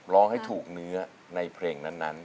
ร้องให้ถูกเนื้อในเพลงนั้น